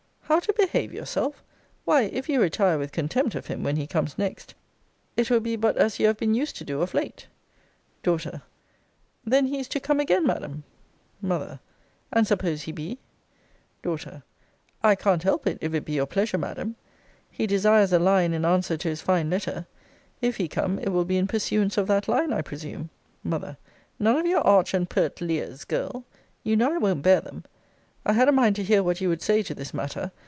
How to behave yourself! Why, if you retire with contempt of him, when he comes next, it will be but as you have been used to do of late. D. Then he is to come again, Madam? M. And suppose he be? D. I can't help it, if it be your pleasure, Madam. He desires a line in answer to his fine letter. If he come, it will be in pursuance of that line, I presume? M. None of your arch and pert leers, girl! You know I won't bear them. I had a mind to hear what you would say to this matter.